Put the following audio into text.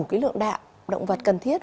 cái lượng đạm động vật cần thiết